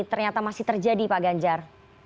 ternyata masih terjadi pak ganjar